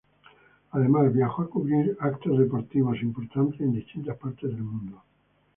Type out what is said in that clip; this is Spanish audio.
Además, viajó a cubrir eventos deportivos importantes en distintas partes del mundo.